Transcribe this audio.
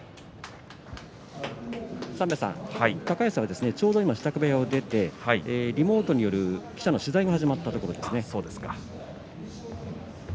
高安はちょうど今支度部屋を出てリモートによる記者の取材が始まったところです。